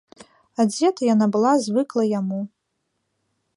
Адзета яна была звыкла яму.